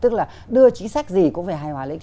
tức là đưa chính sách gì cũng phải hài hòa lợi ích